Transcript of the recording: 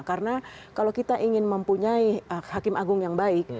karena kalau kita ingin mempunyai hakim agung yang baik